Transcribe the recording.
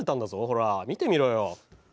ほら見てみろよ。